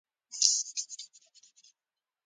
ارستو د محاکات نظریې ته نوی رنګ ورکړی دی